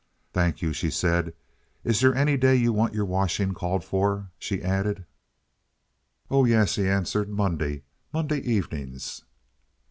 "Thank you," she said. "Is there any day you want your washing called for?" she added. "Oh yes," he answered; "Monday—Monday evenings."